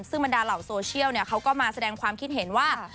ซึ่งบรรดาเหล่าโซเชียลเขาก็มาแสดงความคิดเห็นว่า